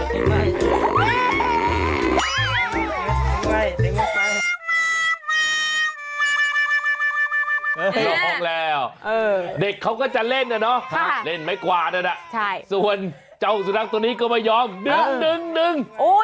ลองแล้วเด็กเขาก็จะเล่นอะเนอะเล่นไม่กว่าแล้วนะส่วนเจ้าสุนัขตัวนี้ก็ไม่ยอมดึง